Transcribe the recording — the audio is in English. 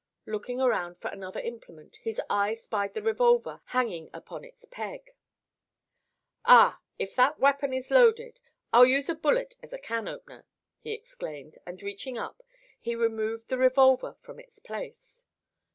Looking around for another implement his eye spied the revolver hanging upon its peg. "Ah! if that weapon is loaded I'll use a bullet as a can opener," he exclaimed, and reaching up he removed the revolver from its place.